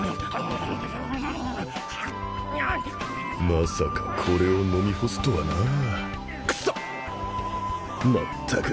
まさかこれを飲み干すとはなあ